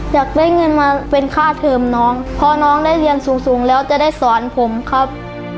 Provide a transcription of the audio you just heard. อยากได้เงินมาเป็นค่าเทิมน้องพอน้องได้เรียนสูงสูงแล้วจะได้สอนผมครับ